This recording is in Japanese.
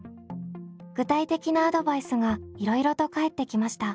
具体的なアドバイスがいろいろと返ってきました。